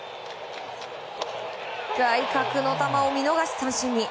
外角の球を見逃し三振に。